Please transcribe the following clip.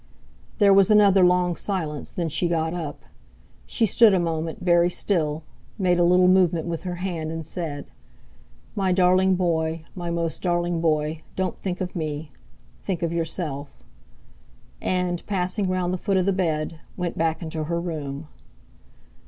There was another long silence, then she got up. She stood a moment, very still, made a little movement with her hand, and said: "My darling boy, my most darling boy, don't think of me—think of yourself," and, passing round the foot of the bed, went back into her room.